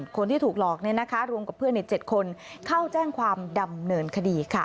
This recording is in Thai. คนที่ถูกหลอกรวมกับเพื่อนใน๗คนเข้าแจ้งความดำเนินคดีค่ะ